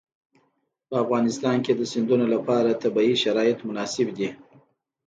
په افغانستان کې د سیندونه لپاره طبیعي شرایط مناسب دي.